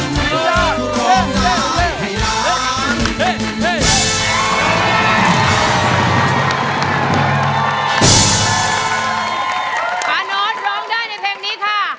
นอนออสร้องได้ในเพลงนี้ค่ะ